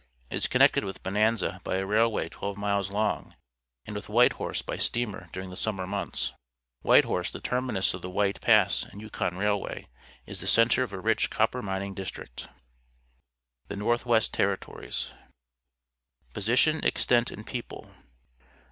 It is con nected with Bonanza by a railway twelve miles long, and with Whitehorse by steamer during the summer months. Whitehorse, the terminus of the White Pass and Yukon View of Whitehorse, Yukon Territory Raihrai/, is the centre of a rich copper mining district. THE N0RTHWES1 TERRITORIES Position, Extent, and People.